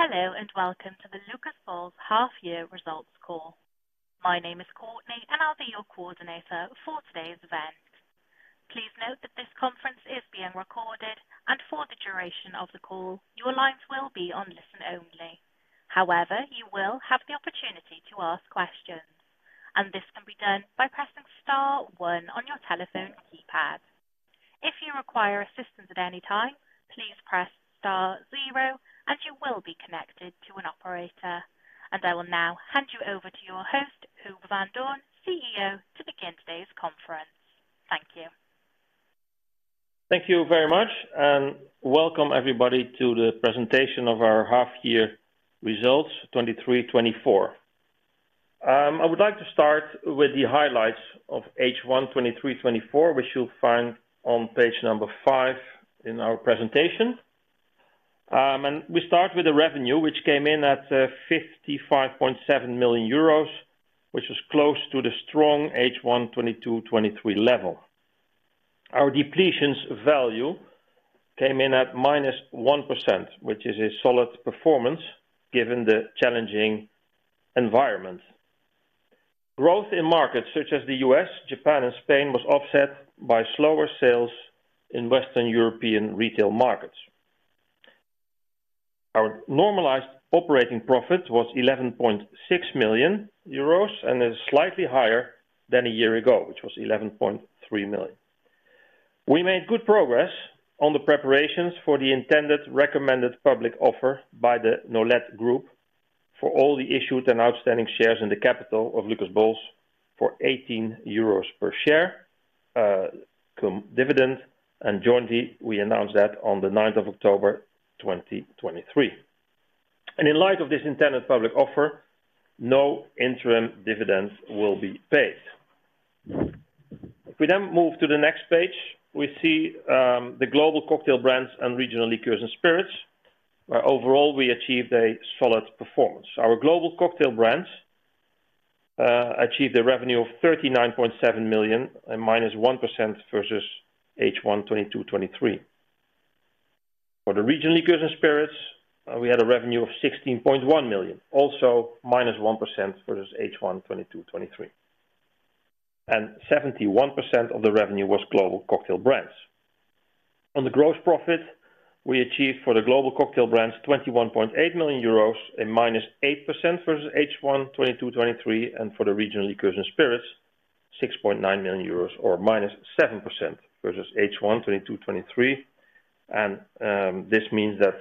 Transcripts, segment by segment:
Hello, and welcome to the Lucas Bols Half Year Results Call. My name is Courtney, and I'll be your coordinator for today's event. Please note that this conference is being recorded, and for the duration of the call, your lines will be on listen-only. However, you will have the opportunity to ask questions, and this can be done by pressing star one on your telephone keypad. If you require assistance at any time, please press star zero, and you will be connected to an operator. I will now hand you over to your host, Huub van Doorne, CEO, to begin today's conference. Thank you. Thank you very much, and welcome everybody to the presentation of our half-year results, 2023-2024. I would like to start with the highlights of H1 2023-2024, which you'll find on page 5 in our presentation. And we start with the revenue, which came in at 55.7 million euros, which is close to the strong H1 2022-2023 level. Our depletions value came in at -1%, which is a solid performance given the challenging environment. Growth in markets such as the U.S., Japan, and Spain was offset by slower sales in Western European retail markets. Our normalized operating profit was 11.6 million euros and is slightly higher than a year ago, which was 11.3 million. We made good progress on the preparations for the intended recommended public offer by the Nolet Group for all the issued and outstanding shares in the capital of Lucas Bols for 18 euros per share, cum dividend, and jointly, we announced that on the ninth of October 2023. In light of this intended public offer, no interim dividends will be paid. If we then move to the next page, we see the Global Cocktail Brands and Regional Liqueurs and Spirits, where overall we achieved a solid performance. Our Global Cocktail Brands achieved a revenue of 39.7 million and -1% versus H1 2022-2023. For the Regional Liqueurs and Spirits, we had a revenue of 16.1 million, also -1% versus H1 2022-2023, and 71% of the revenue was Global Cocktail Brands. On the gross profit, we achieved for the Global Cocktail Brands, 21.8 million euros, -8% versus H1 2022-2023, and for the Regional Liqueurs and Spirits, 6.9 million euros, or -7% versus H1 2022-2023. This means that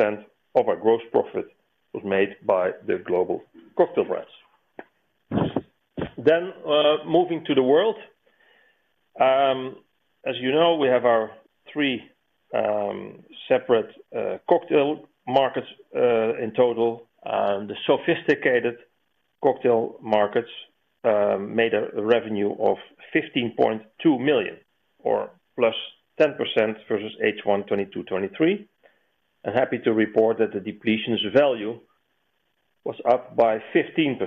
76% of our gross profit was made by the Global Cocktail Brands. Then, moving to the world. As you know, we have our three separate cocktail markets in total, and the Sophisticated Cocktail Markets made a revenue of 15.2 million or +10% versus H1 2022-2023. I'm happy to report that the depletions value was up by 15%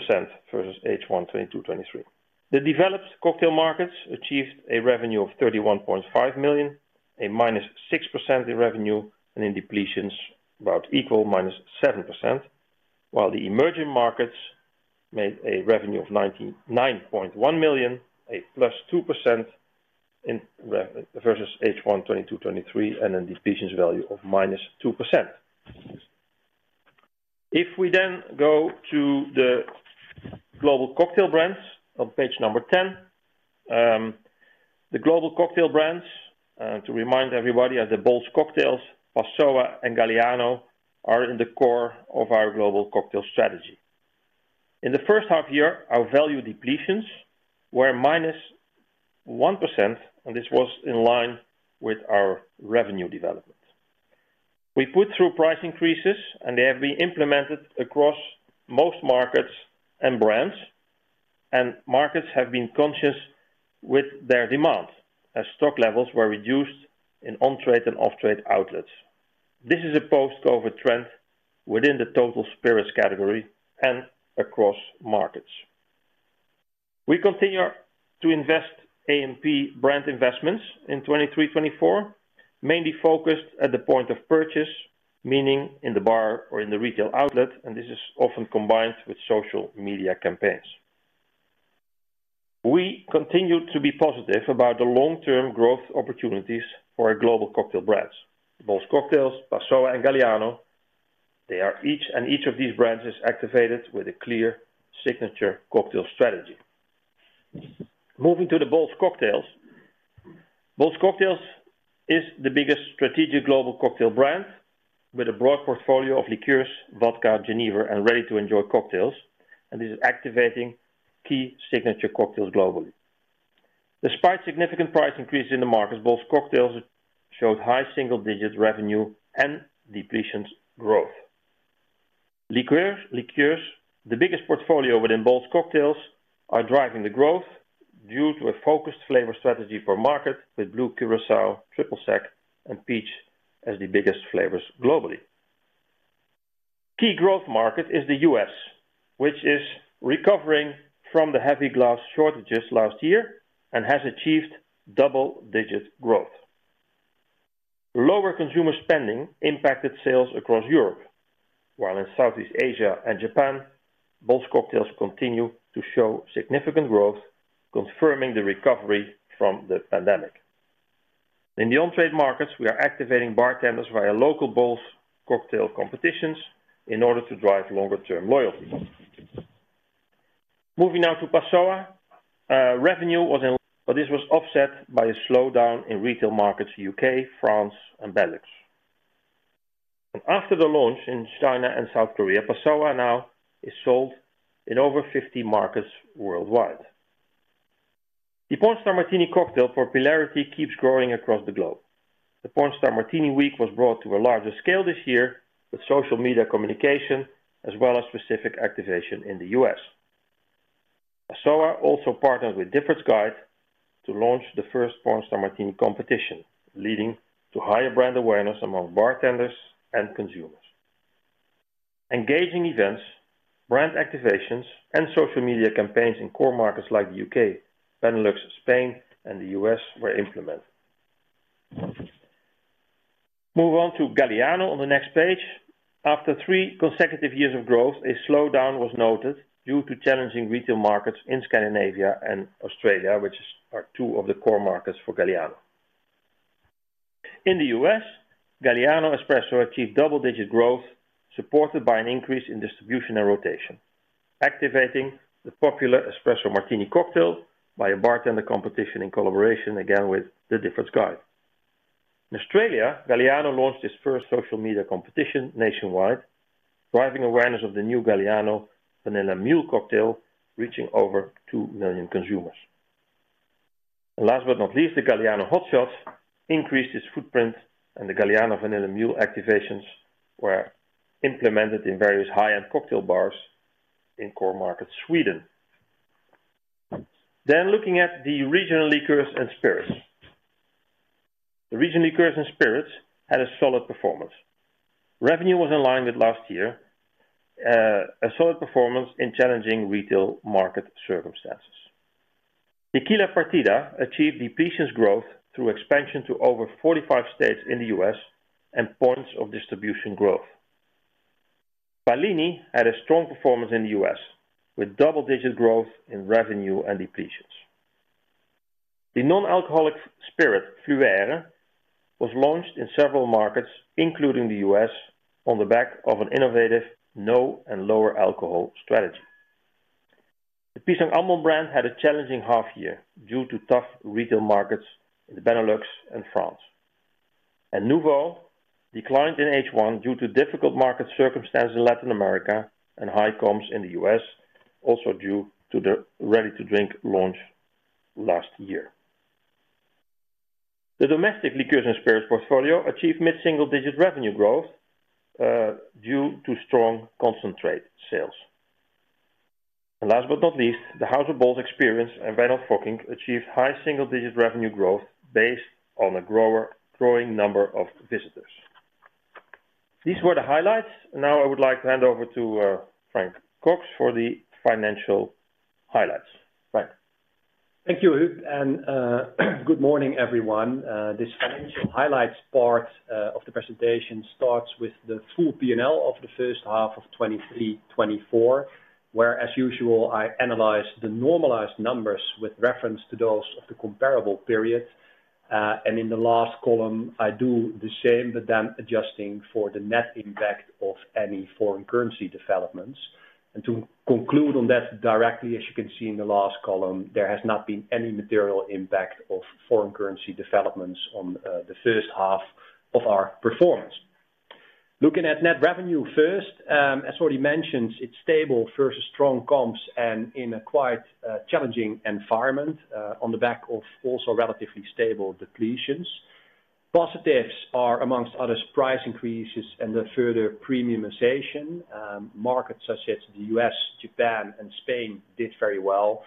versus H1 2022-2023. The Developed Cocktail Markets achieved a revenue of 31.5 million, a -6% in revenue, and in depletions, about equal -7%, while the Emerging Markets made a revenue of 99.1 million, a +2% in revenue versus H1 2022-2023, and then depletions value of -2%. If we then go to the Global Cocktail Brands on page 10. The Global Cocktail Brands, to remind everybody, are the Bols Cocktails, Passoã, and Galliano are in the core of our global cocktail strategy. In the first half year, our value depletions were -1%, and this was in line with our revenue development. We put through price increases, and they have been implemented across most markets and brands, and markets have been conscious with their demand as stock levels were reduced in on-trade and off-trade outlets. This is a post-COVID trend within the total spirits category and across markets. We continue to invest A&P brand investments in 2023, 2024, mainly focused at the point of purchase, meaning in the bar or in the retail outlet, and this is often combined with social media campaigns. We continue to be positive about the long-term growth opportunities for our Global Cocktail Brands, Bols Cocktails, Passoã and Galliano. They are each, and each of these brands is activated with a clear signature cocktail strategy. Moving to the Bols Cocktails. Bols Cocktails is the biggest strategic Global Cocktail Brand with a broad portfolio of liqueurs, vodka, genever, and ready-to-enjoy cocktails, and this is activating key signature cocktails globally. Despite significant price increases in the market, Bols Cocktails showed high single-digit revenue and depletions growth. Liqueurs, the biggest portfolio within Bols Cocktails, are driving the growth due to a focused flavor strategy for market with Blue Curaçao, Triple Sec, and Peach as the biggest flavors globally. Key growth market is the U.S., which is recovering from the heavy glass shortages last year and has achieved double-digit growth. Lower consumer spending impacted sales across Europe, while in Southeast Asia and Japan, Bols Cocktails continue to show significant growth, confirming the recovery from the pandemic. In the on-trade markets, we are activating bartenders via local Bols cocktail competitions in order to drive longer-term loyalty. Moving now to Passoã. Revenue was in, but this was offset by a slowdown in retail markets, U.K., France, and Benelux. After the launch in China and South Korea, Passoã now is sold in over 50 markets worldwide. The Pornstar Martini cocktail popularity keeps growing across the globe. The Pornstar Martini Week was brought to a larger scale this year, with social media communication as well as specific activation in the US. Passoã also partnered with Difford's Guide to launch the first Pornstar Martini competition, leading to higher brand awareness among bartenders and consumers. Engaging events, brand activations, and social media campaigns in core markets like the UK, Benelux, Spain, and the US were implemented. Move on to Galliano on the next page. After three consecutive years of growth, a slowdown was noted due to challenging retail markets in Scandinavia and Australia, which are two of the core markets for Galliano. In the US, Galliano Espresso achieved double-digit growth, supported by an increase in distribution and rotation, activating the popular Espresso Martini cocktail by a bartender competition in collaboration, again, with the Difford's Guide. In Australia, Galliano launched its first social media competition nationwide, driving awareness of the new Galliano Vanilla Mule cocktail, reaching over 2 million consumers. Last but not least, the Galliano Hot Shots increased its footprint, and the Galliano Vanilla Mule activations were implemented in various high-end cocktail bars in core market, Sweden. Looking at the Regional Liqueurs and Spirits. The Regional Liqueurs and Spirits had a solid performance. Revenue was in line with last year, a solid performance in challenging retail market circumstances. Tequila Partida achieved depletions growth through expansion to over 45 states in the U.S. and points of distribution growth. Pallini had a strong performance in the U.S., with double-digit growth in revenue and depletions. The non-alcoholic spirit, Fluère, was launched in several markets, including the U.S., on the back of an innovative no and lower alcohol strategy. The Pisang Ambon brand had a challenging half year due to tough retail markets in the Benelux and France. Nuvo declined in H1 due to difficult market circumstances in Latin America and high comps in the US, also due to the ready-to-drink launch last year. The domestic liquors and spirits portfolio achieved mid-single-digit revenue growth due to strong concentrate sales. And last but not least, the House of Bols experience and Wynand Fockink achieved high single-digit revenue growth based on a growing number of visitors. These were the highlights. Now, I would like to hand over to Frank Cocx for the financial highlights. Frank? Thank you, Huub, and good morning, everyone. This financial highlights part of the presentation starts with the full P&L of the first half of 2023-2024, where, as usual, I analyze the normalized numbers with reference to those of the comparable period. And in the last column, I do the same, but then adjusting for the net impact of any foreign currency developments. And to conclude on that directly, as you can see in the last column, there has not been any material impact of foreign currency developments on the first half of our performance. Looking at net revenue first, as already mentioned, it's stable versus strong comps and in a quite challenging environment on the back of also relatively stable depletions. Positives are, among others, price increases and the further premiumization. Markets such as the US, Japan, and Spain did very well.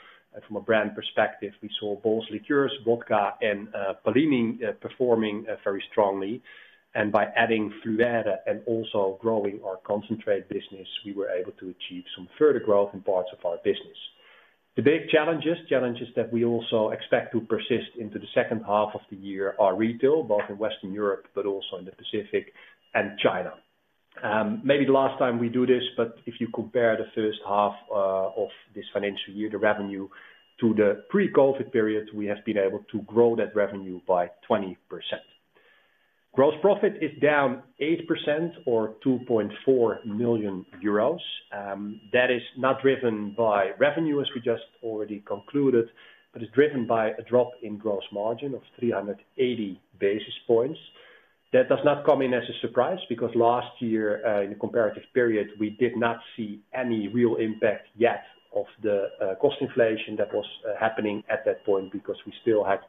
From a brand perspective, we saw Bols Liqueurs, Vodka and Pallini performing very strongly. By adding Fluère and also growing our concentrate business, we were able to achieve some further growth in parts of our business. The big challenges, challenges that we also expect to persist into the second half of the year, are retail, both in Western Europe, but also in the Pacific and China. Maybe the last time we do this, but if you compare the first half of this financial year, the revenue to the pre-COVID period, we have been able to grow that revenue by 20%. Gross profit is down 8% or 2.4 million euros. That is not driven by revenue, as we just already concluded, but is driven by a drop in gross margin of 380 basis points. That does not come in as a surprise, because last year, in the comparative period, we did not see any real impact yet of the cost inflation that was happening at that point, because we still had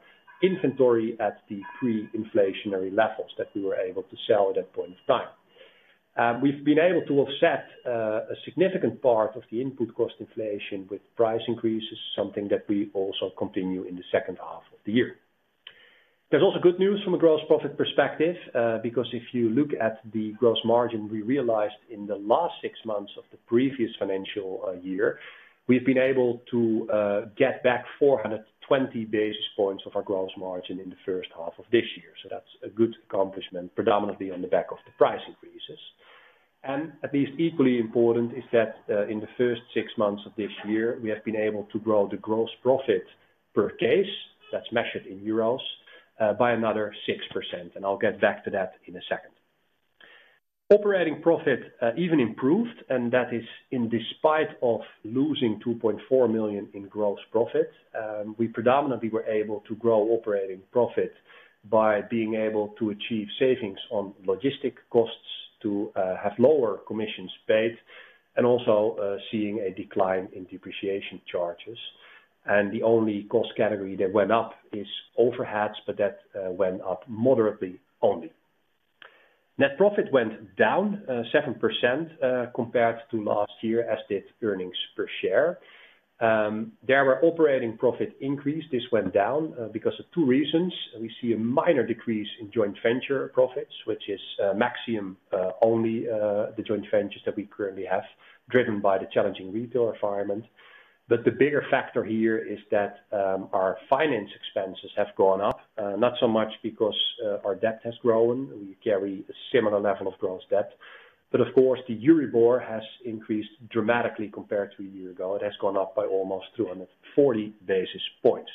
inventory at the pre-inflationary levels that we were able to sell at that point in time. We've been able to offset a significant part of the input cost inflation with price increases, something that we also continue in the second half of the year. There's also good news from a gross profit perspective, because if you look at the gross margin we realized in the last six months of the previous financial year, we've been able to get back 420 basis points of our gross margin in the first half of this year. So that's a good accomplishment, predominantly on the back of the price increases. And at least equally important is that, in the first six months of this year, we have been able to grow the gross profit per case, that's measured in euros, by another 6%, and I'll get back to that in a second. Operating profit even improved, and that is in spite of losing 2.4 million in gross profit. We predominantly were able to grow operating profit by being able to achieve savings on logistic costs, to have lower commissions paid, and also seeing a decline in depreciation charges. The only cost category that went up is overheads, but that went up moderately only. Net profit went down 7% compared to last year, as did earnings per share. There were operating profit increase. This went down because of two reasons. We see a minor decrease in joint venture profits, which is Maxxium only, the joint ventures that we currently have, driven by the challenging retail environment. But the bigger factor here is that our finance expenses have gone up, not so much because our debt has grown. We carry a similar level of gross debt, but of course, the Euribor has increased dramatically compared to a year ago. It has gone up by almost 240 basis points.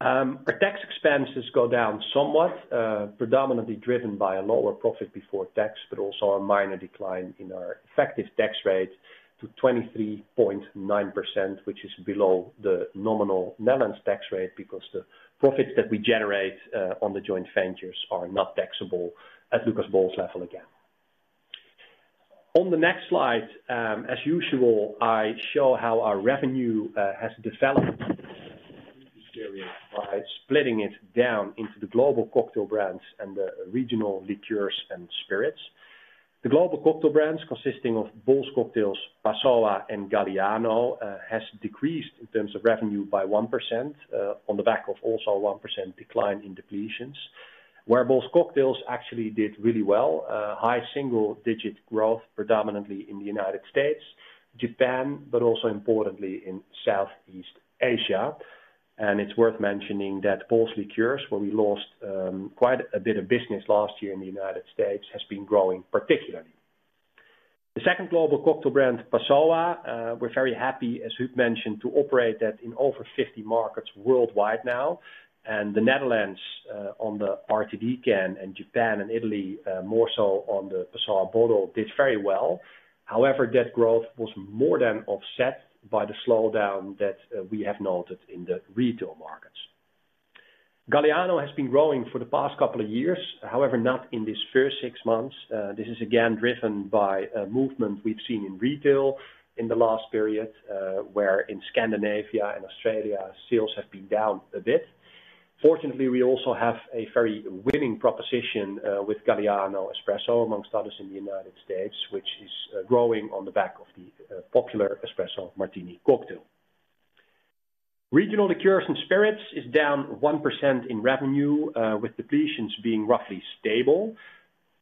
Our tax expenses go down somewhat, predominantly driven by a lower profit before tax, but also a minor decline in our effective tax rate to 23.9%, which is below the nominal Netherlands tax rate, because the profits that we generate, on the joint ventures are not taxable at Lucas Bols level again. On the next slide, as usual, I show how our revenue, has developed by splitting it down into the Global Cocktail Brands and the Regional Liqueurs and Spirits. The Global Cocktail Brands, consisting of Bols Cocktails, Passoã, and Galliano, has decreased in terms of revenue by 1%, on the back of also a 1% decline in depletions, where Bols Cocktails actually did really well. High single digit growth, predominantly in the United States, Japan, but also importantly in Southeast Asia. And it's worth mentioning that Bols Liqueurs, where we lost, quite a bit of business last year in the United States, has been growing, particularly. The second Global Cocktail Brand, Passoã. We're very happy, as Huub mentioned, to operate that in over 50 markets worldwide now, and the Netherlands, on the RTD can, and Japan and Italy, more so on the Passoã bottle, did very well. However, that growth was more than offset by the slowdown that we have noted in the retail markets. Galliano has been growing for the past couple of years. However, not in this first six months. This is again driven by a movement we've seen in retail in the last period, where in Scandinavia and Australia, sales have been down a bit. Fortunately, we also have a very winning proposition, with Galliano Espresso, amongst others, in the United States, which is growing on the back of the popular Espresso Martini cocktail. Regional Liqueurs and Spirits is down 1% in revenue, with depletions being roughly stable.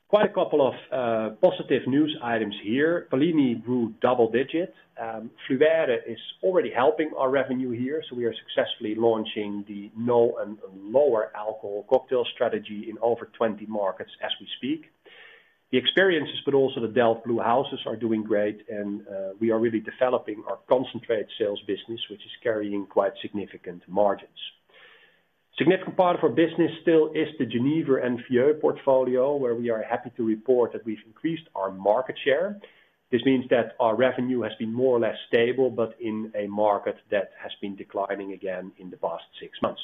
Quite a couple of positive news items here. Pallini grew double digits. Fluère is already helping our revenue here, so we are successfully launching the no and lower alcohol cocktail strategy in over 20 markets as we speak. The experiences, but also the Delft Blue Houses are doing great, and we are really developing our concentrated sales business, which is carrying quite significant margins. Significant part of our business still is the Genever and regional portfolio, where we are happy to report that we've increased our market share. This means that our revenue has been more or less stable, but in a market that has been declining again in the past six months.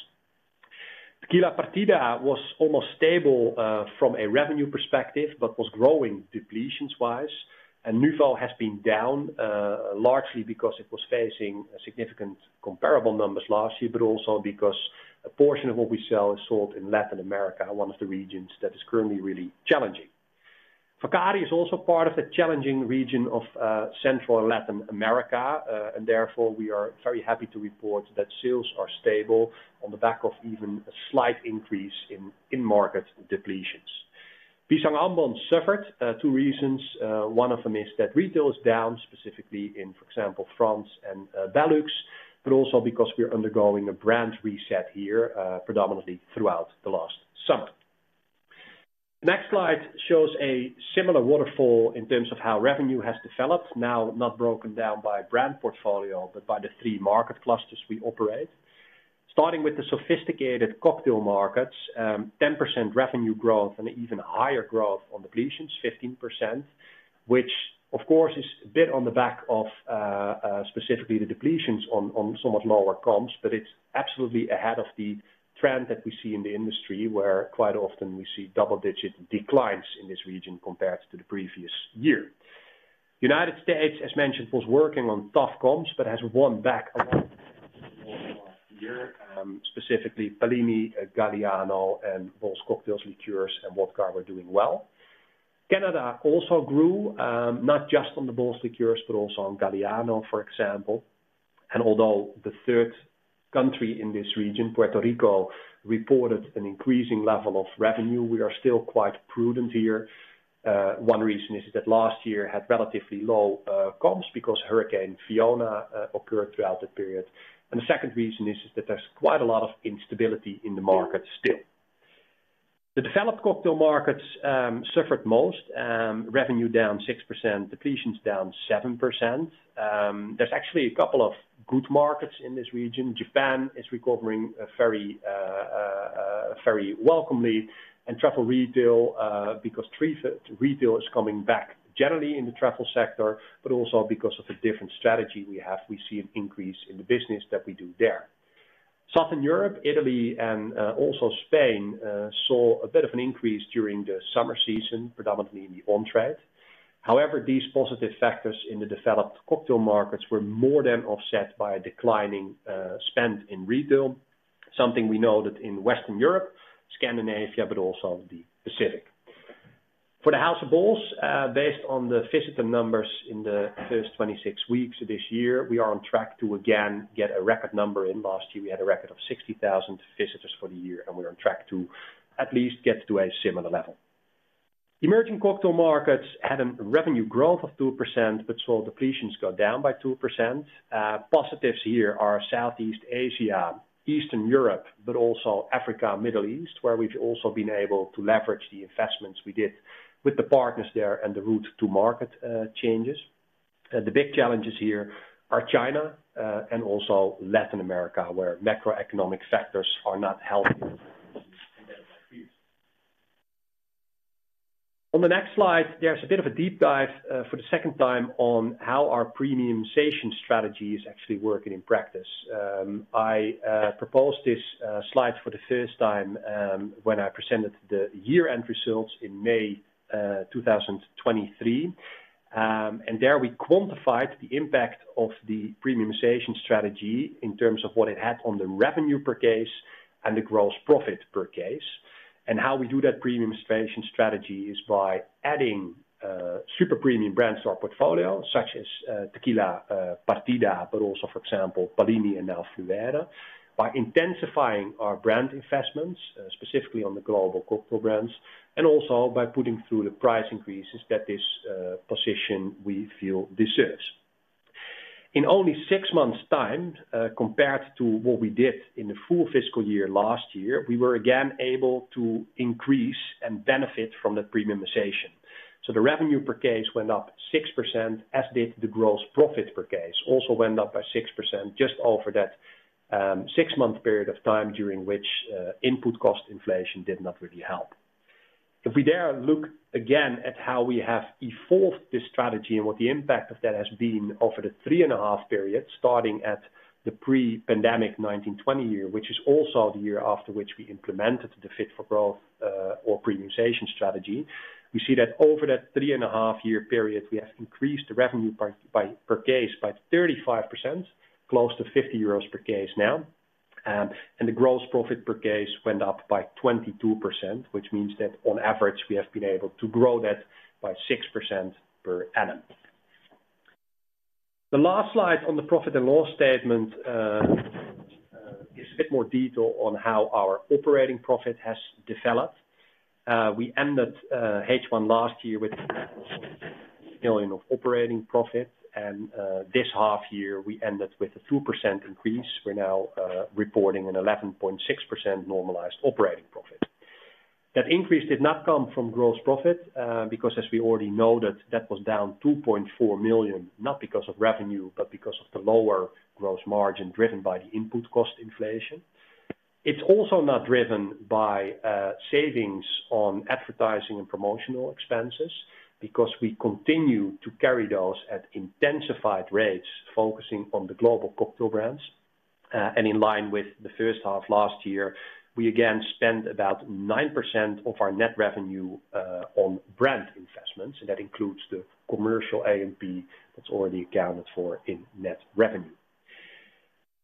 Tequila Partida was almost stable from a revenue perspective, but was growing depletions-wise, and Nuvo has been down largely because it was facing significant comparable numbers last year, but also because a portion of what we sell is sold in Latin America, one of the regions that is currently really challenging. Lacadi is also part of the challenging region of Central and Latin America. And therefore, we are very happy to report that sales are stable on the back of even a slight increase in in-market depletions. Pisang Ambon suffered two reasons. One of them is that retail is down, specifically in, for example, France and Belux, but also because we are undergoing a brand reset here, predominantly throughout the last summer. The next slide shows a similar waterfall in terms of how revenue has developed. Now, not broken down by brand portfolio, but by the three market clusters we operate. Starting with the Sophisticated Cocktail Markets, 10% revenue growth and even higher growth on depletions, 15%, which of course is a bit on the back of specifically the depletions on somewhat lower comps. But it's absolutely ahead of the trend that we see in the industry, where quite often we see double-digit declines in this region compared to the previous year. United States, as mentioned, was working on tough comps, but has won back a lot, specifically, Pallini, Galliano, and Bols Cocktails Liqueurs, and Vodka are doing well. Canada also grew, not just on the Bols Liqueurs, but also on Galliano, for example. And although the third country in this region, Puerto Rico, reported an increasing level of revenue, we are still quite prudent here. One reason is that last year had relatively low, comps because Hurricane Fiona occurred throughout the period. And the second reason is that there's quite a lot of instability in the market still. The developed cocktail markets suffered most, revenue down 6%, depletions down 7%. There's actually a couple of good markets in this region. Japan is recovering very welcomely, and travel retail, because travel retail is coming back generally in the travel sector, but also because of the different strategy we have, we see an increase in the business that we do there. Southern Europe, Italy, and also Spain saw a bit of an increase during the summer season, predominantly in the on-trade. However, these positive factors in the developed cocktail markets were more than offset by a declining spend in retail, something we know that in Western Europe, Scandinavia, but also the Pacific. For the House of Bols, based on the visitor numbers in the first 26 weeks of this year, we are on track to again get a record number in. Last year, we had a record of 60,000 visitors for the year, and we're on track to at least get to a similar level. Emerging cocktail markets had a revenue growth of 2%, but saw depletions go down by 2%. Positives here are Southeast Asia, Eastern Europe, but also Africa, Middle East, where we've also been able to leverage the investments we did with the partners there and the route to market changes. The big challenges here are China and also Latin America, where macroeconomic factors are not helping. On the next slide, there's a bit of a deep dive for the second time on how our Premiumization strategy is actually working in practice. I proposed this slide for the first time when I presented the year-end results in May 2023. And there we quantified the impact of the premiumization strategy in terms of what it had on the revenue per case and the gross profit per case. How we do that premiumization strategy is by adding super premium brands to our portfolio, such as Tequila Partida, but also, for example, Pallini and now Fluère, by intensifying our brand investments specifically on the Global Cocktail Brands, and also by putting through the price increases that this position we feel deserves. In only six months' time, compared to what we did in the full fiscal year last year, we were again able to increase and benefit from the premiumization. So the revenue per case went up 6%, as did the gross profit per case, also went up by 6%, just over that six-month period of time during which input cost inflation did not really help. If we then look again at how we have enforced this strategy and what the impact of that has been over the 3.5-year period, starting at the pre-pandemic 2019-2020 year, which is also the year after which we implemented the Fit for Growth or Premiumization strategy, we see that over that 3.5-year period, we have increased the revenue per case by 35%, close to 50 euros per case now. And the gross profit per case went up by 22%, which means that on average, we have been able to grow that by 6% per annum. The last slide on the profit and loss statement is a bit more detail on how our operating profit has developed. We ended H1 last year with million of operating profit, and this half year, we ended with a 2% increase. We're now reporting an 11.6% normalized operating profit. That increase did not come from gross profit, because as we already know, that that was down 2.4 million, not because of revenue, but because of the lower gross margin driven by the input cost inflation. It's also not driven by savings on advertising and promotional expenses, because we continue to carry those at intensified rates, focusing on the Global Cocktail Brands. In line with the first half last year, we again spent about 9% of our net revenue on brand investments, and that includes the commercial A&P that's already accounted for in net revenue.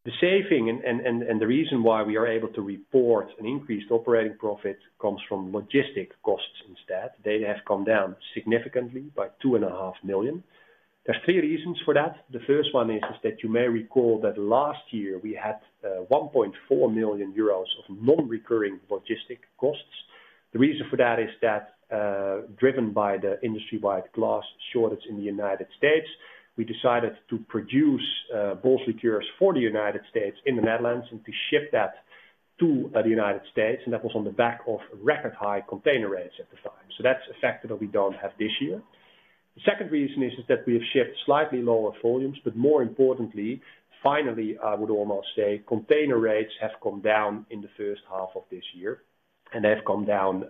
The savings and the reason why we are able to report an increased operating profit comes from logistics costs instead. They have come down significantly by 2.5 million. There are three reasons for that. The first one is that you may recall that last year we had 1.4 million euros of non-recurring logistics costs. The reason for that is that, driven by the industry-wide glass shortage in the United States, we decided to produce Bols Liqueurs for the United States in the Netherlands, and to ship that to the United States, and that was on the back of record high container rates at the time. So that's a factor that we don't have this year. The second reason is that we have shipped slightly lower volumes, but more importantly, finally, I would almost say, container rates have come down in the first half of this year, and they've come down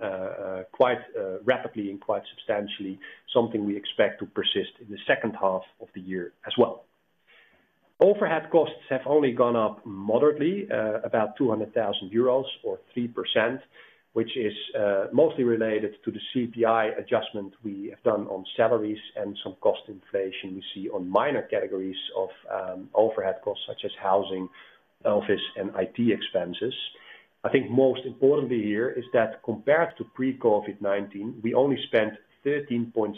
quite rapidly and quite substantially, something we expect to persist in the second half of the year as well. Overhead costs have only gone up moderately, about 200,000 euros or 3%, which is mostly related to the CPI adjustment we have done on salaries and some cost inflation we see on minor categories of overhead costs, such as housing, office, and IT expenses. I think most importantly here is that compared to pre-COVID-19, we only spent 13.6%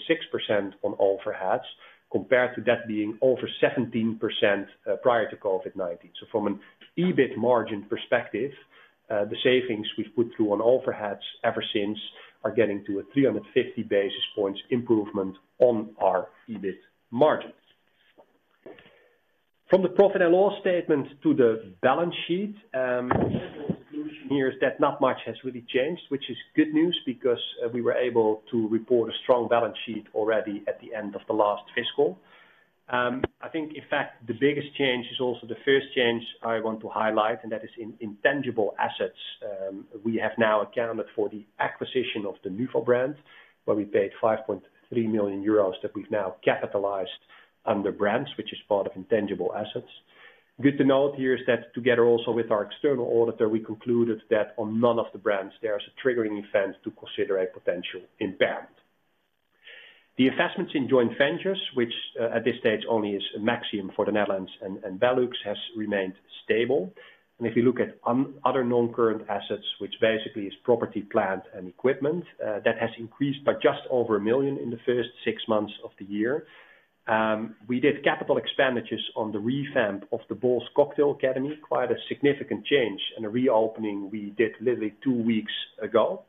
on overheads, compared to that being over 17%, prior to COVID-19. So from an EBIT margin perspective, the savings we've put through on overheads ever since are getting to a 350 basis points improvement on our EBIT margins. From the profit and loss statement to the balance sheet, conclusion here is that not much has really changed, which is good news because we were able to report a strong balance sheet already at the end of the last fiscal. I think, in fact, the biggest change is also the first change I want to highlight, and that is in intangible assets. We have now accounted for the acquisition of the Nuvo brand, where we paid 5.3 million euros, that we've now capitalized under brands, which is part of intangible assets. Good to note here is that together also with our external auditor, we concluded that on none of the brands there is a triggering event to consider a potential impairment. The investments in joint ventures, which at this stage only is a maximum for the Netherlands and Belux, has remained stable. If you look at other non-current assets, which basically is property, plant, and equipment, that has increased by just over 1 million in the first six months of the year. We did capital expenditures on the revamp of the Bols Cocktail Academy, quite a significant change and a reopening we did literally two weeks ago.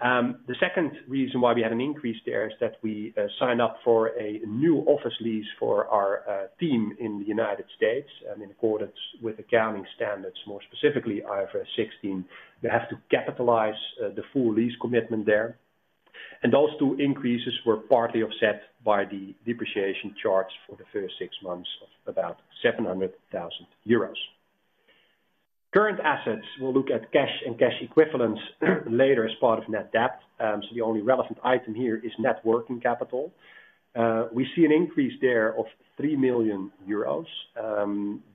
The second reason why we had an increase there is that we signed up for a new office lease for our team in the United States, and in accordance with accounting standards, more specifically, IFRS 16, we have to capitalize the full lease commitment there. Those two increases were partly offset by the depreciation charge for the first six months of about 700,000 euros. Current assets, we'll look at cash and cash equivalents later as part of net debt. So the only relevant item here is net working capital. We see an increase there of 3 million euros.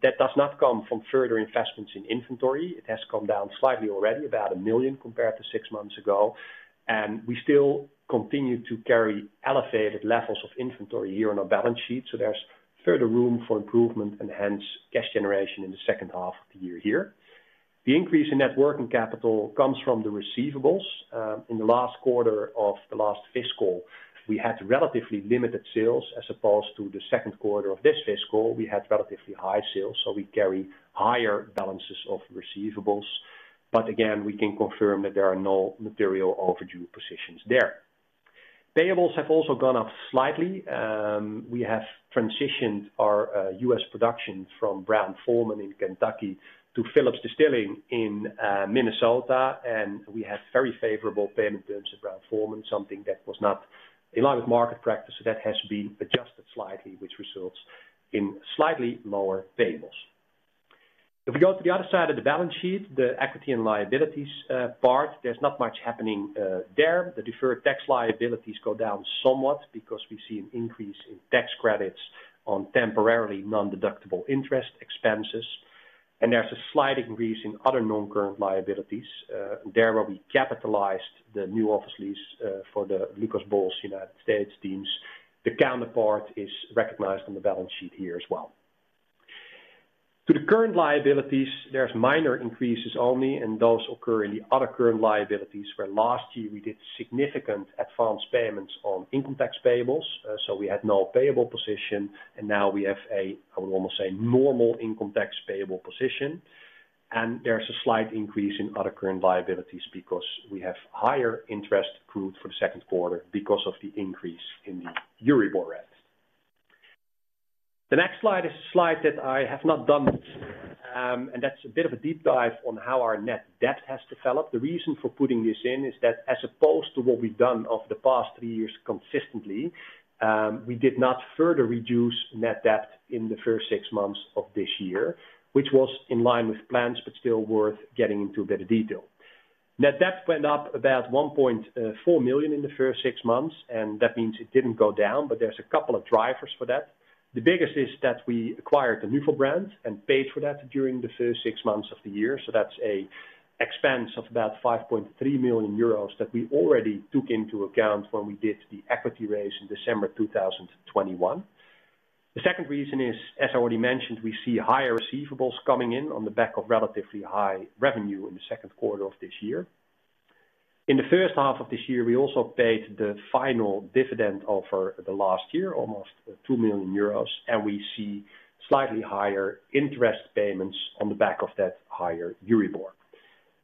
That does not come from further investments in inventory. It has come down slightly already, about 1 million compared to six months ago. And we still continue to carry elevated levels of inventory here on our balance sheet, so there's further room for improvement and hence cash generation in the second half of the year here. The increase in net working capital comes from the receivables. In the last quarter of the last fiscal, we had relatively limited sales as opposed to the second quarter of this fiscal, we had relatively high sales, so we carry higher balances of receivables. But again, we can confirm that there are no material overdue positions there. Payables have also gone up slightly. We have transitioned our U.S. production from Brown-Forman in Kentucky to Phillips Distilling in Minnesota, and we have very favorable payment terms at Brown-Forman, something that was not in line with market practice. So that has been adjusted slightly, which results in slightly lower payables. If we go to the other side of the balance sheet, the equity and liabilities part, there's not much happening there. The deferred tax liabilities go down somewhat because we see an increase in tax credits on temporarily non-deductible interest expenses, and there's a slight increase in other non-current liabilities. There, where we capitalized the new office lease, for the Lucas Bols United States teams. The counterpart is recognized on the balance sheet here as well. To the current liabilities, there's minor increases only, and those occur in the other current liabilities, where last year we did significant advanced payments on income tax payables, so we had no payable position, and now we have a, I would almost say, normal income tax payable position. And there's a slight increase in other current liabilities because we have higher interest accrued for the second quarter because of the increase in the Euribor rate. The next slide is a slide that I have not done before, and that's a bit of a deep dive on how our net debt has developed. The reason for putting this in is that as opposed to what we've done over the past three years consistently, we did not further reduce net debt in the first six months of this year, which was in line with plans, but still worth getting into a better detail. Net debt went up about 1.4 million in the first six months, and that means it didn't go down, but there's a couple of drivers for that. The biggest is that we acquired the Nuvo brand and paid for that during the first six months of the year. So that's an expense of about 5.3 million euros that we already took into account when we did the equity raise in December 2021. The second reason is, as I already mentioned, we see higher receivables coming in on the back of relatively high revenue in the second quarter of this year. In the first half of this year, we also paid the final dividend over the last year, almost 2 million euros, and we see slightly higher interest payments on the back of that higher Euribor.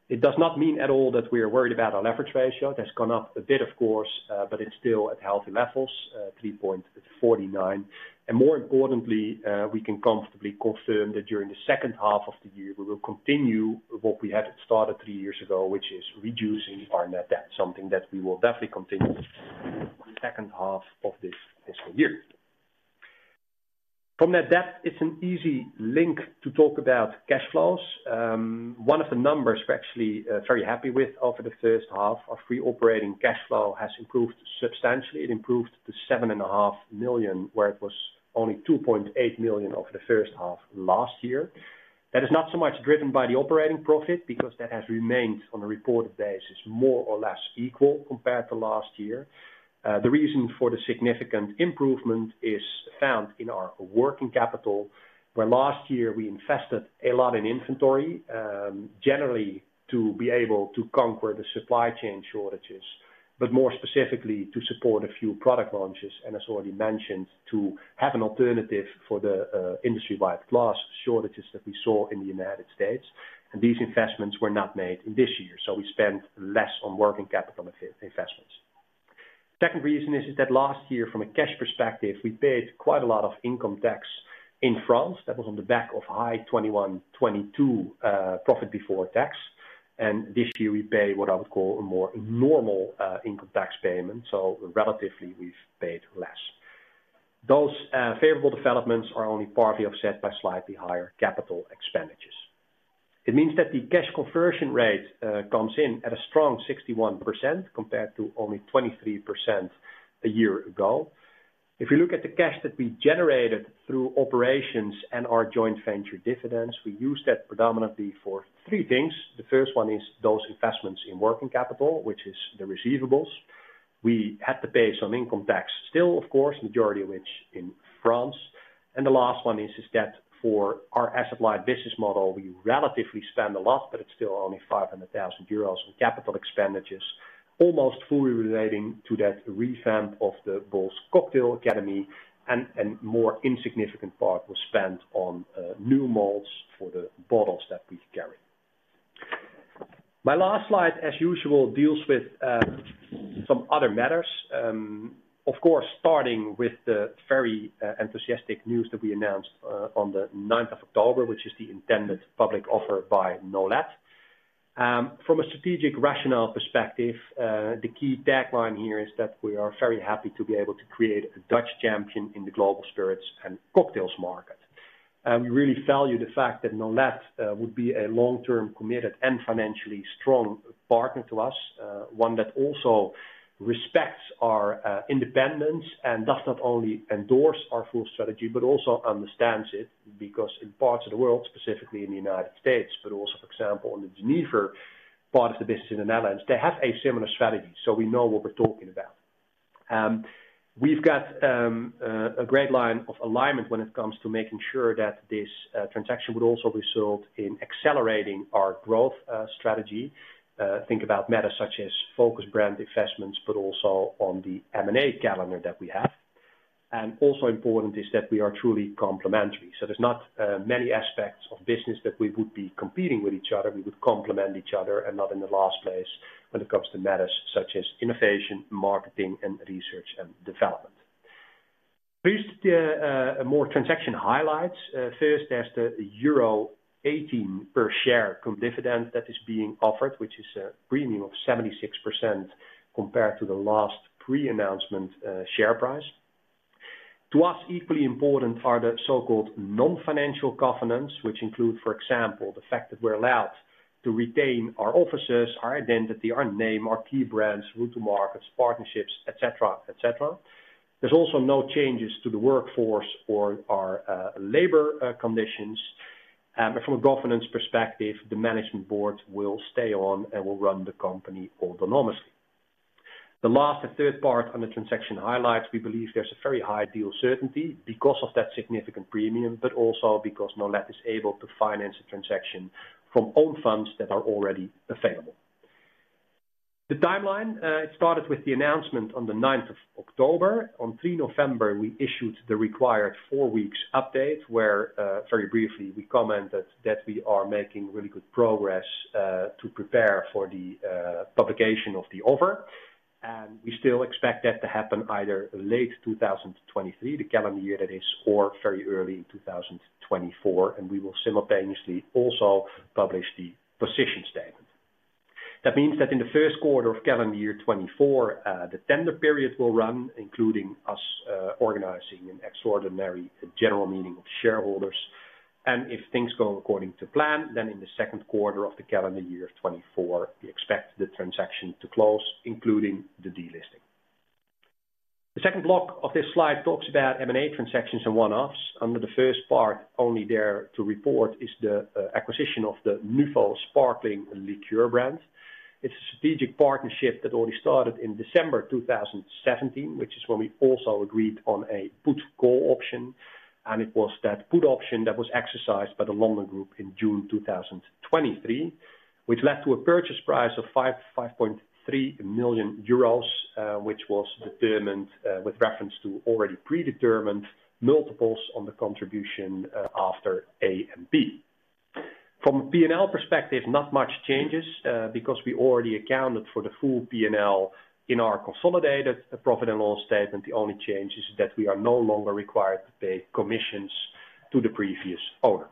It does not mean at all that we are worried about our leverage ratio. That's gone up a bit, of course, but it's still at healthy levels, 3.49. More importantly, we can comfortably confirm that during the second half of the year, we will continue what we had started three years ago, which is reducing our net debt, something that we will definitely continue in the second half of this fiscal year. From net debt, it's an easy link to talk about cash flows. One of the numbers we're actually very happy with over the first half, our free operating cash flow has improved substantially. It improved to 7.5 million, where it was only 2.8 million over the first half last year. That is not so much driven by the operating profit, because that has remained on a reported basis more or less equal compared to last year.... The reason for the significant improvement is found in our working capital, where last year we invested a lot in inventory, generally to be able to conquer the supply chain shortages, but more specifically to support a few product launches, and as already mentioned, to have an alternative for the industry-wide glass shortages that we saw in the United States. And these investments were not made in this year, so we spent less on working capital investments. Second reason is that last year, from a cash perspective, we paid quite a lot of income tax in France. That was on the back of high 2021, 2022 profit before tax, and this year we pay what I would call a more normal income tax payment, so relatively, we've paid less. Those favorable developments are only partly offset by slightly higher capital expenditures. It means that the cash conversion rate comes in at a strong 61%, compared to only 23% a year ago. If you look at the cash that we generated through operations and our joint venture dividends, we use that predominantly for three things. The first one is those investments in working capital, which is the receivables. We had to pay some income tax still, of course, majority of which in France. And the last one is that for our asset-light business model, we relatively spend a lot, but it's still only 500,000 euros on capital expenditures, almost fully relating to that revamp of the Bols Bartending Academy, and a more insignificant part was spent on new molds for the bottles that we carry. My last slide, as usual, deals with some other matters. Of course, starting with the very enthusiastic news that we announced on the ninth of October, which is the intended public offer by Nolet. From a strategic rationale perspective, the key tagline here is that we are very happy to be able to create a Dutch champion in the global spirits and cocktails market. We really value the fact that Nolet would be a long-term, committed, and financially strong partner to us. One that also respects our independence and does not only endorse our full strategy, but also understands it, because in parts of the world, specifically in the United States, but also, for example, in the genever part of the business in the Netherlands, they have a similar strategy, so we know what we're talking about. We've got a great line of alignment when it comes to making sure that this transaction would also result in accelerating our growth strategy. Think about matters such as focus brand investments, but also on the M&A calendar that we have. And also important is that we are truly complementary. So there's not many aspects of business that we would be competing with each other. We would complement each other, and not in the last place when it comes to matters such as innovation, marketing, and research and development. First, more transaction highlights. First, there's the euro 18 per share dividend that is being offered, which is a premium of 76% compared to the last pre-announcement share price. To us, equally important are the so-called non-financial governance, which include, for example, the fact that we're allowed to retain our offices, our identity, our name, our key brands, route to markets, partnerships, et cetera, et cetera. There's also no changes to the workforce or our labor conditions. But from a governance perspective, the management board will stay on and will run the company autonomously. The last and third part on the transaction highlights, we believe there's a very high deal certainty because of that significant premium, but also because Nolet is able to finance the transaction from own funds that are already available. The timeline, it started with the announcement on the ninth of October. On 3 November, we issued the required four weeks update, where, very briefly, we commented that we are making really good progress, to prepare for the, publication of the offer. And we still expect that to happen either late 2023, the calendar year that is, or very early in 2024, and we will simultaneously also publish the position statement. That means that in the first quarter of calendar year 2024, the tender period will run, including us, organizing an extraordinary general meeting of shareholders. And if things go according to plan, then in the second quarter of the calendar year of 2024, we expect the transaction to close, including the delisting. The second block of this slide talks about M&A transactions and one-offs. Under the first part, only there to report is the acquisition of the Nuvo Sparkling Liqueur brand. It's a strategic partnership that already started in December 2017, which is when we also agreed on a put/call option, and it was that put option that was exercised by the London Group in June 2023, which led to a purchase price of 5-5.3 million euros, which was determined with reference to already predetermined multiples on the contribution after B. From a P&L perspective, not much changes because we already accounted for the full P&L in our consolidated profit and loss statement. The only change is that we are no longer required to pay commissions to the previous owners.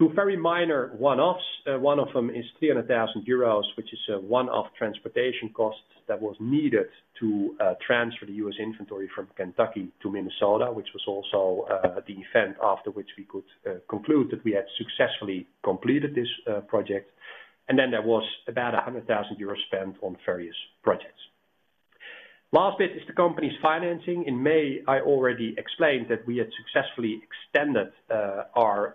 Two very minor one-offs. One of them is 300,000 euros, which is a one-off transportation cost that was needed to transfer the US inventory from Kentucky to Minnesota, which was also the event after which we could conclude that we had successfully completed this project. Then there was about 100,000 euros spent on various projects. Last bit is the company's financing. In May, I already explained that we had successfully extended our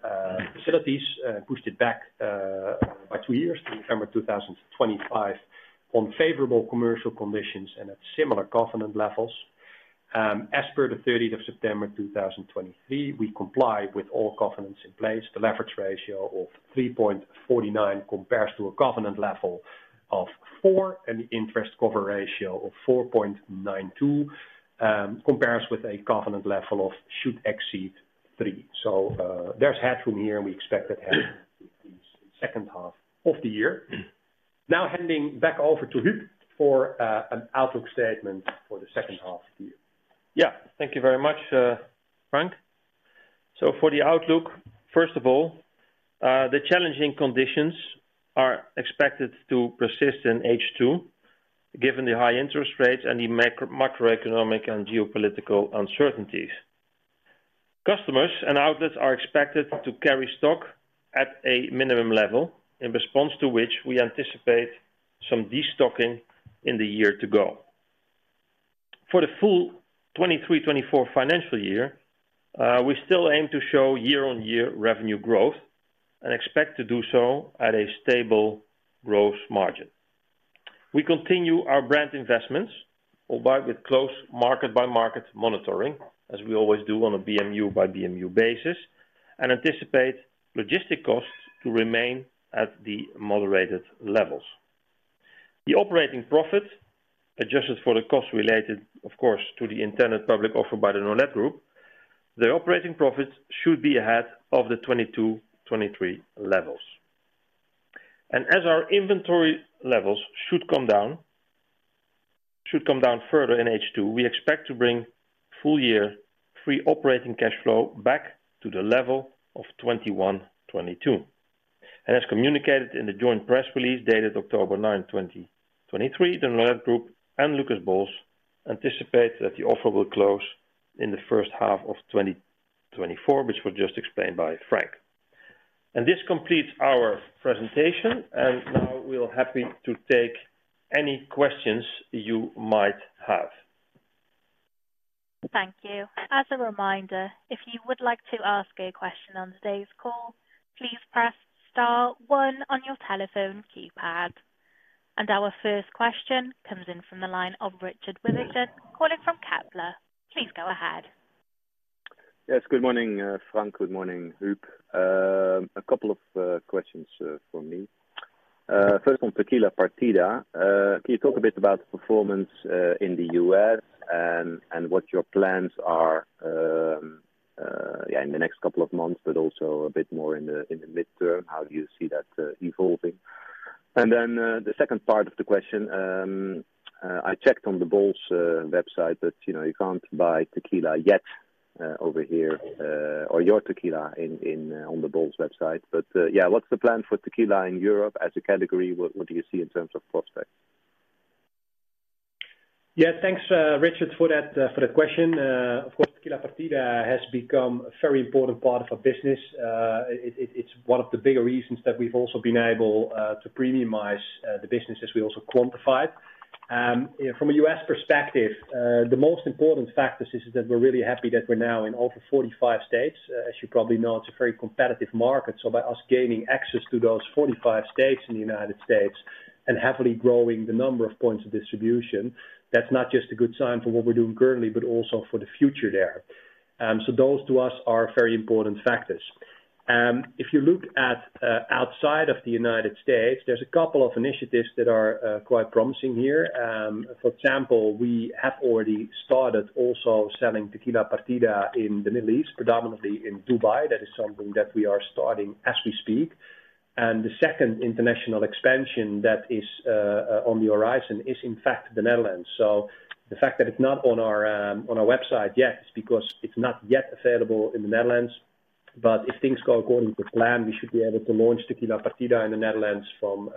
facilities, pushed it back by two years to December 2025 on favorable commercial conditions and at similar covenant levels. As per the thirteenth of September 2023, we comply with all covenants in place. The leverage ratio of 3.49 compares to a covenant level of 4, and the interest cover ratio of 4.92 compares with a covenant level of should exceed 3. So, there's headroom here, and we expect that headroom second half of the year. Now handing back over to Huub for an outlook statement for the second half of the year. Yeah. Thank you very much, Frank. So for the outlook, first of all, the challenging conditions are expected to persist in H2, given the high interest rates and the macroeconomic and geopolitical uncertainties. Customers and outlets are expected to carry stock at a minimum level, in response to which we anticipate some destocking in the year to go. For the full 2023/2024 financial year, we still aim to show year-on-year revenue growth and expect to do so at a stable growth margin. We continue our brand investments, albeit with close market-by-market monitoring, as we always do on a BMU-by-BMU basis, and anticipate logistic costs to remain at the moderated levels. The operating profit, adjusted for the costs related, of course, to the intended public offer by the Nolet Group, the operating profits should be ahead of the 2022/2023 levels. As our inventory levels should come down, should come down further in H2, we expect to bring full year free operating cash flow back to the level of 2021/2022. As communicated in the joint press release, dated October 9, 2023, the Nolet Group and Lucas Bols anticipate that the offer will close in the first half of 2024, which was just explained by Frank. This completes our presentation, and now we're happy to take any questions you might have. Thank you. As a reminder, if you would like to ask a question on today's call, please press star one on your telephone keypad. And our first question comes in from the line of Richard Witherspoon, calling from Kepler. Please go ahead. Yes, good morning, Frank. Good morning, Huub. A couple of questions from me. First on Tequila Partida. Can you talk a bit about the performance in the US and what your plans are, yeah, in the next couple of months, but also a bit more in the midterm, how do you see that evolving? And then the second part of the question, I checked on the Bols website that, you know, you can't buy tequila yet over here or your tequila on the Bols website. But yeah, what's the plan for tequila in Europe as a category? What do you see in terms of prospects? Yeah. Thanks, Richard, for that, for the question. Of course, Tequila Partida has become a very important part of our business. It's one of the bigger reasons that we've also been able to premiumize the business as we also quantified. From a U.S. perspective, the most important factor is that we're really happy that we're now in over 45 states. As you probably know, it's a very competitive market. So by us gaining access to those 45 states in the United States and happily growing the number of points of distribution, that's not just a good sign for what we're doing currently, but also for the future there. So those to us are very important factors. If you look at outside of the United States, there's a couple of initiatives that are quite promising here. For example, we have already started also selling Tequila Partida in the Middle East, predominantly in Dubai. That is something that we are starting as we speak. And the second international expansion that is on the horizon is, in fact, the Netherlands. So the fact that it's not on our website yet is because it's not yet available in the Netherlands. But if things go according to plan, we should be able to launch Tequila Partida in the Netherlands from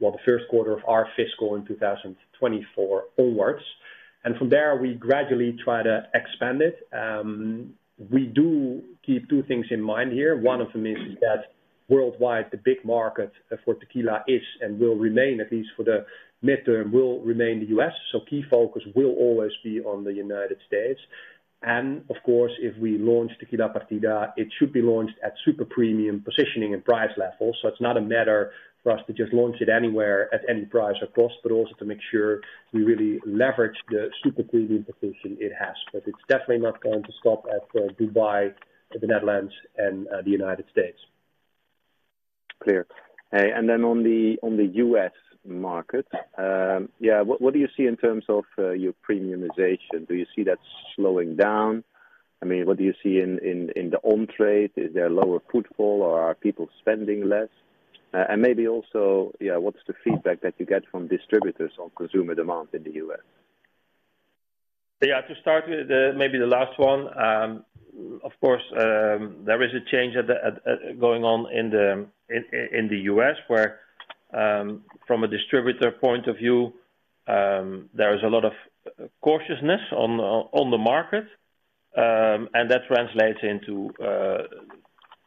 the first quarter of our fiscal in 2024 onwards. And from there, we gradually try to expand it. We do keep two things in mind here. One of them is that worldwide, the big market for tequila is and will remain, at least for the midterm, will remain the U.S. So key focus will always be on the United States. And of course, if we launch Tequila Partida, it should be launched at super premium positioning and price levels. So it's not a matter for us to just launch it anywhere at any price or cost, but also to make sure we really leverage the super premium position it has. But it's definitely not going to stop at Dubai, the Netherlands and the United States. Clear. And then on the US market, yeah, what do you see in terms of your premiumization? Do you see that slowing down? I mean, what do you see in the on-trade? Is there lower footfall or are people spending less? And maybe also, yeah, what's the feedback that you get from distributors on consumer demand in the US? Yeah, to start with the, maybe the last one. Of course, there is a change at the going on in the U.S., where, from a distributor point of view, there is a lot of cautiousness on the market, and that translates into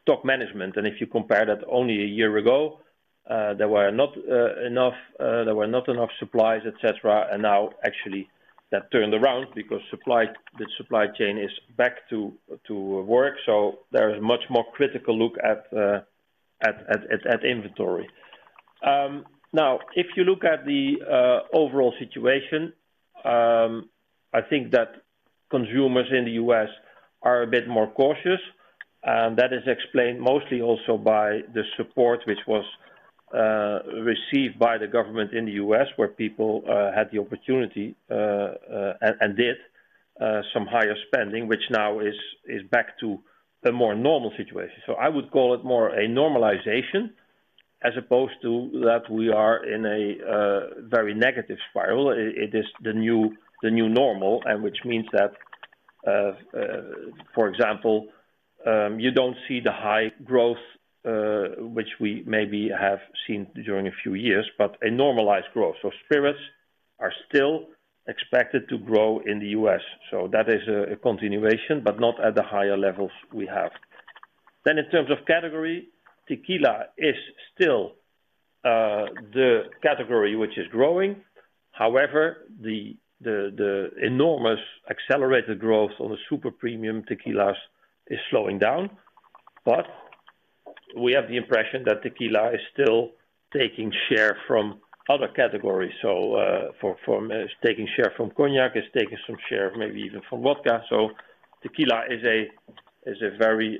stock management. And if you compare that only a year ago, there were not enough supplies, et cetera. And now, actually, that turned around because supply, the supply chain is back to work. So there is much more critical look at inventory. Now, if you look at the overall situation, I think that consumers in the U.S. are a bit more cautious, and that is explained mostly also by the support which was received by the government in the U.S., where people had the opportunity and did some higher spending, which now is back to a more normal situation. So I would call it more a normalization as opposed to that we are in a very negative spiral. It is the new normal, and which means that for example, you don't see the high growth which we maybe have seen during a few years, but a normalized growth. So spirits are still expected to grow in the U.S. So that is a continuation, but not at the higher levels we have. Then in terms of category, tequila is still the category which is growing. However, the enormous accelerated growth of the super premium tequilas is slowing down. But we have the impression that tequila is still taking share from other categories. So from, it's taking share from cognac, it's taking some share maybe even from vodka. So tequila is a very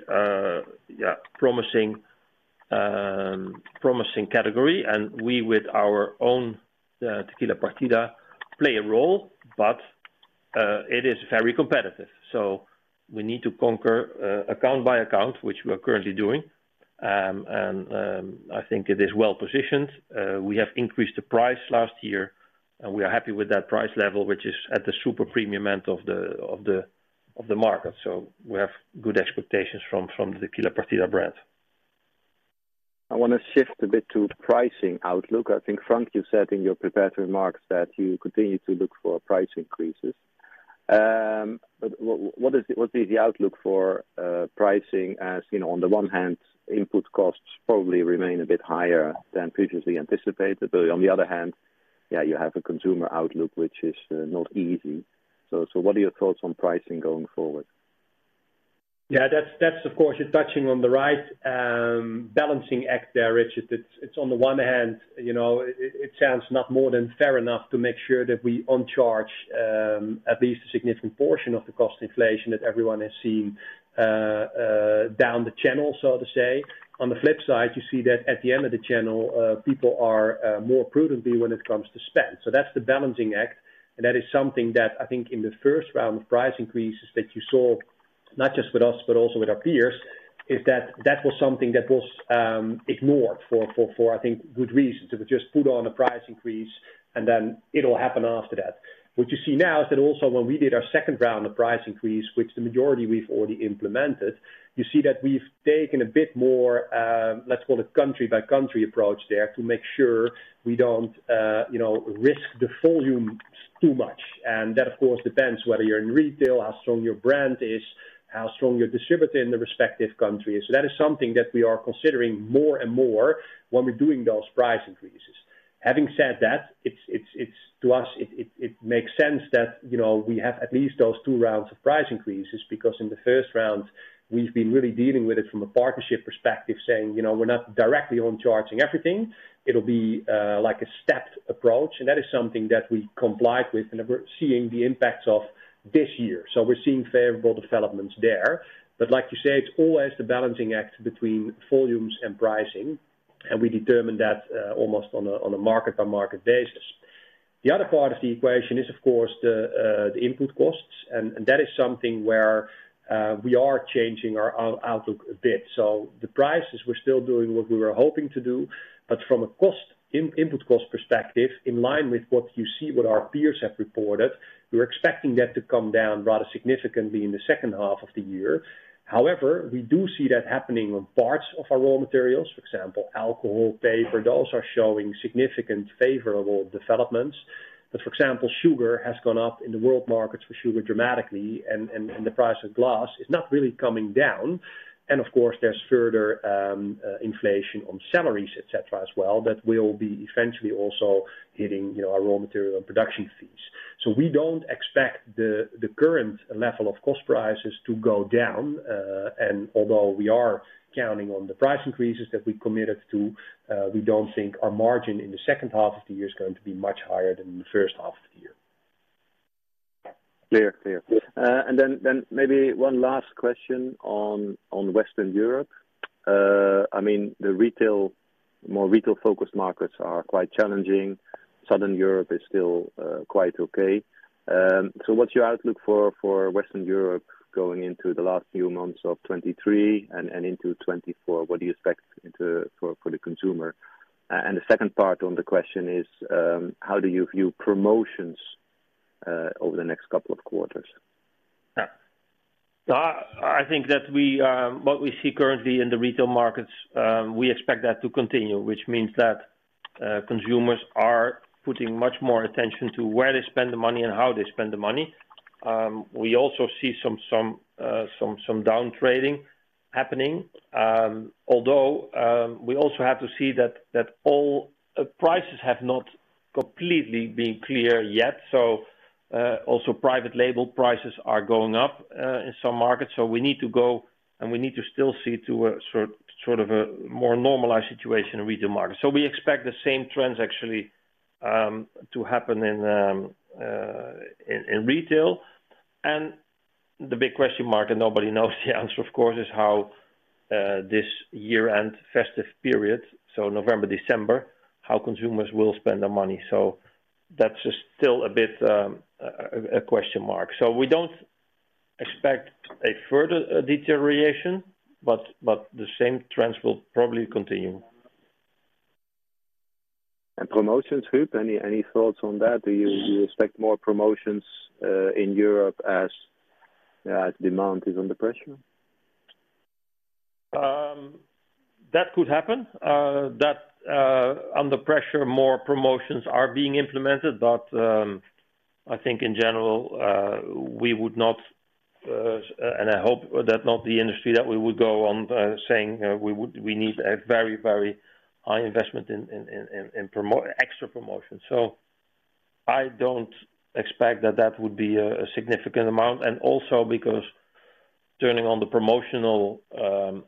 promising category, and we with our own tequila, Partida, play a role, but it is very competitive. So we need to conquer account by account, which we are currently doing. And I think it is well positioned. We have increased the price last year, and we are happy with that price level, which is at the super premium end of the market. So we have good expectations from the Tequila Partida brand. I want to shift a bit to the pricing outlook. I think, Frank, you said in your prepared remarks that you continue to look for price increases. But what is the outlook for pricing, as you know, on the one hand, input costs probably remain a bit higher than previously anticipated, but on the other hand, yeah, you have a consumer outlook, which is not easy. What are your thoughts on pricing going forward? Yeah, that's of course you're touching on the right balancing act there, Richard. It's on the one hand, you know, it sounds not more than fair enough to make sure that we pass on at least a significant portion of the cost inflation that everyone has seen down the channel, so to say. On the flip side, you see that at the end of the channel, people are more prudent when it comes to spend. So that's the balancing act, and that is something that I think in the first round of price increases that you saw, not just with us, but also with our peers, is that that was something that was ignored for, I think, good reason. To just put on a price increase, and then it'll happen after that. What you see now is that also when we did our second round of price increase, which the majority we've already implemented, you see that we've taken a bit more, let's call it country by country approach there, to make sure we don't, you know, risk the volumes too much. And that, of course, depends whether you're in retail, how strong your brand is, how strong your distributor in the respective country is. So that is something that we are considering more and more when we're doing those price increases. Having said that, it makes sense that, you know, we have at least those two rounds of price increases, because in the first round we've been really dealing with it from a partnership perspective, saying, "You know, we're not directly on charging everything. It'll be like a stepped approach." And that is something that we complied with, and we're seeing the impacts of this year. So we're seeing favorable developments there. But like you say, it's always the balancing act between volumes and pricing, and we determine that almost on a market-by-market basis. The other part of the equation is, of course, the input costs, and that is something where we are changing our outlook a bit. So the prices, we're still doing what we were hoping to do, but from a cost, input cost perspective, in line with what you see, what our peers have reported, we're expecting that to come down rather significantly in the second half of the year. However, we do see that happening on parts of our raw materials, for example, alcohol, paper. Those are showing significant favorable developments. But for example, sugar has gone up in the world markets for sugar dramatically, and the price of glass is not really coming down. And of course, there's further inflation on salaries, et cetera, as well, that will be eventually also hitting, you know, our raw material and production fees. So we don't expect the current level of cost prices to go down, and although we are counting on the price increases that we committed to, we don't think our margin in the second half of the year is going to be much higher than in the first half of the year. Clear. Clear. Yeah. And then maybe one last question on Western Europe. I mean, the retail, more retail-focused markets are quite challenging. Southern Europe is still quite okay. So what's your outlook for Western Europe going into the last few months of 2023 and into 2024? What do you expect for the consumer? And the second part of the question is, how do you view promotions over the next couple of quarters? Yeah. I think that we what we see currently in the retail markets we expect that to continue, which means that consumers are putting much more attention to where they spend the money and how they spend the money. We also see some downtrading happening, although we also have to see that that all prices have not completely been clear yet. So- ... also private label prices are going up in some markets, so we need to go, and we need to still see to a sort of a more normalized situation in retail market. So we expect the same trends actually to happen in retail. And the big question mark, and nobody knows the answer, of course, is how this year-end festive period, so November, December, how consumers will spend their money. So that's still a bit a question mark. So we don't expect a further deterioration, but the same trends will probably continue. Promotions, Huub, any thoughts on that? Do you expect more promotions in Europe as demand is under pressure? That could happen, under pressure, more promotions are being implemented. But I think in general, we would not, and I hope that not the industry, that we would go on saying we need a very, very high investment in extra promotion. So I don't expect that that would be a significant amount, and also because turning on the promotional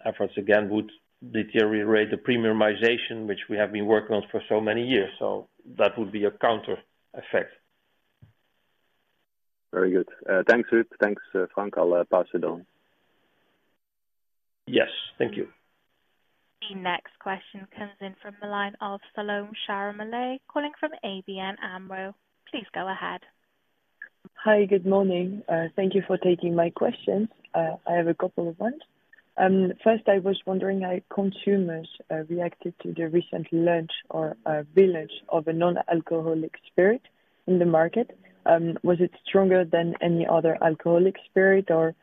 efforts again would deteriorate the premiumization, which we have been working on for so many years, so that would be a counter effect. Very good. Thanks, Huub. Thanks, Frank. I'll pass it on. Yes, thank you. The next question comes in from the line of Salomé Charamelet, calling from ABN AMRO. Please go ahead. Hi, good morning. Thank you for taking my questions. I have a couple of ones. First, I was wondering how consumers reacted to the recent launch or re-launch of a non-alcoholic spirit in the market. Was it stronger than any other alcoholic spirit, or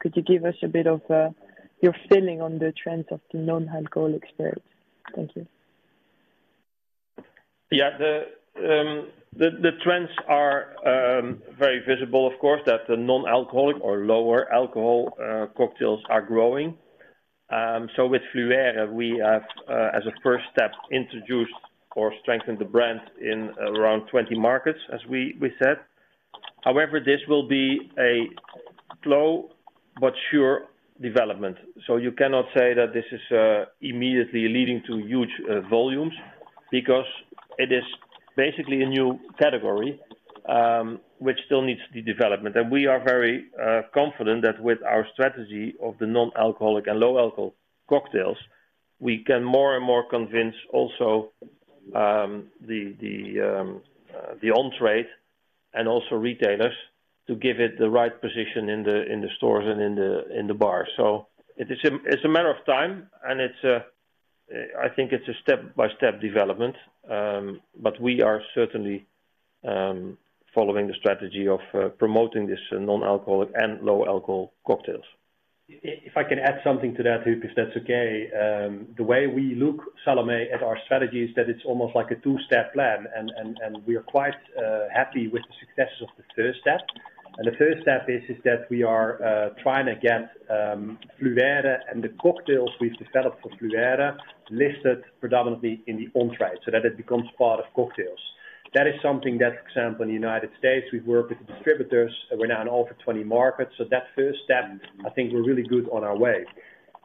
could you give us a bit of your feeling on the trends of the non-alcoholic spirits? Thank you. Yeah, the trends are very visible, of course, that the non-alcoholic or lower alcohol cocktails are growing. So with Fluère, we have, as a first step, introduced or strengthened the brand in around 20 markets, as we said. However, this will be a slow but sure development. So you cannot say that this is immediately leading to huge volumes, because it is basically a new category, which still needs the development. And we are very confident that with our strategy of the non-alcoholic and low-alcohol cocktails, we can more and more convince also the on-trade and also retailers to give it the right position in the stores and in the bar. So it is a, it's a matter of time, and it's a, I think it's a step-by-step development. But we are certainly following the strategy of promoting this non-alcoholic and low-alcohol cocktails. If I can add something to that, Huub, if that's okay. The way we look, Salome, at our strategy is that it's almost like a two-step plan, and we are quite happy with the successes of the first step. The first step is that we are trying to get Fluère and the cocktails we've developed for Fluère, listed predominantly in the on-trade, so that it becomes part of cocktails. That is something that, for example, in the United States, we've worked with the distributors, and we're now in over 20 markets. So that first step, I think we're really good on our way.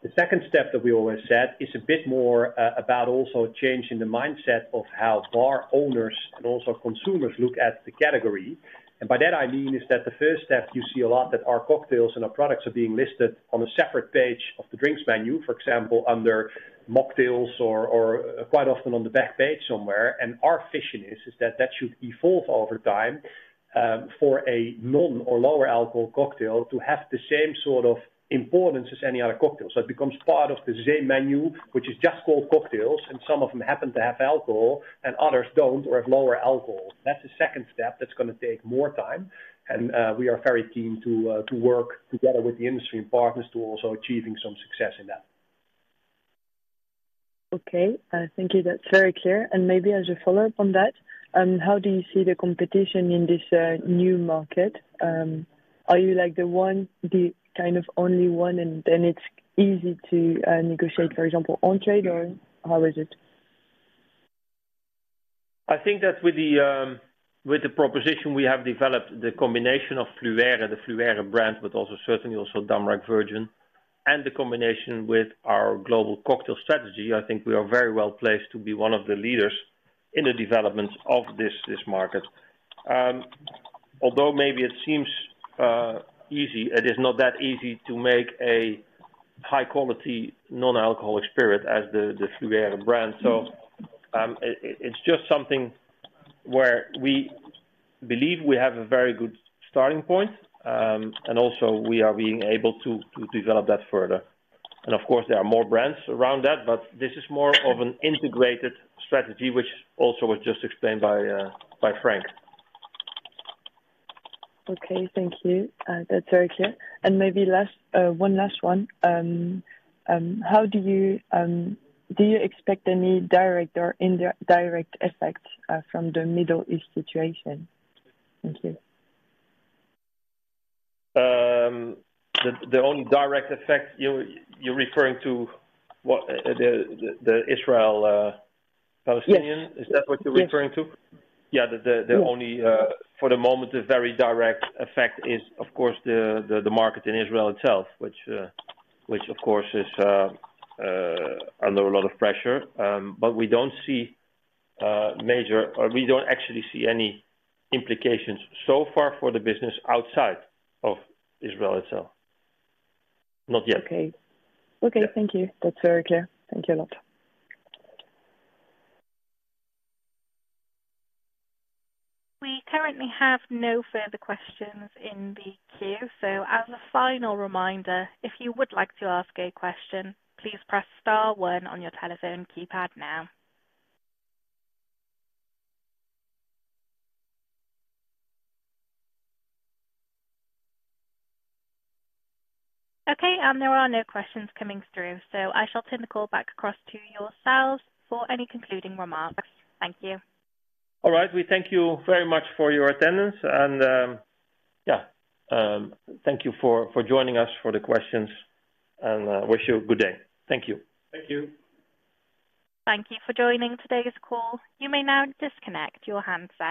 The second step that we always said is a bit more about also changing the mindset of how bar owners and also consumers look at the category. And by that, I mean is that the first step, you see a lot that our cocktails and our products are being listed on a separate page of the drinks menu, for example, under mocktails or, or quite often on the back page somewhere. And our vision is, is that that should evolve over time, for a non or lower alcohol cocktail to have the same sort of importance as any other cocktail. So it becomes part of the same menu, which is just called cocktails, and some of them happen to have alcohol and others don't or have lower alcohol. That's the second step. That's gonna take more time, and, we are very keen to, to work together with the industry and partners to also achieving some success in that. Okay, thank you. That's very clear. And maybe as a follow-up on that, how do you see the competition in this new market? Are you like the one, the kind of only one, and then it's easy to negotiate, for example, on trade, or how is it? I think that with the proposition, we have developed the combination of Fluère, the Fluère brand, but also certainly also Damrak Virgin, and the combination with our global cocktail strategy, I think we are very well placed to be one of the leaders in the development of this, this market. Although maybe it seems easy, it is not that easy to make a high-quality non-alcoholic spirit as the Fluère brand. So, it's just something where we believe we have a very good starting point, and also we are being able to develop that further. And of course, there are more brands around that, but this is more of an integrated strategy, which also was just explained by Frank. Okay, thank you. That's very clear. And maybe last, one last one. How do you? Do you expect any direct or indirect effect from the Middle East situation? Thank you. The only direct effect. You're referring to what, the Israeli-Palestinian? Yes. Is that what you're referring to? Yes. Yeah, the only, for the moment, the very direct effect is, of course, the market in Israel itself, which of course is under a lot of pressure. But we don't see major... Or we don't actually see any implications so far for the business outside of Israel itself. Not yet. Okay. Okay, thank you. That's very clear. Thank you a lot. We currently have no further questions in the queue. So as a final reminder, if you would like to ask a question, please press star one on your telephone keypad now. Okay, there are no questions coming through, so I shall turn the call back across to yourselves for any concluding remarks. Thank you. All right. We thank you very much for your attendance and, yeah, thank you for joining us for the questions, and wish you a good day. Thank you. Thank you. Thank you for joining today's call. You may now disconnect your handsets.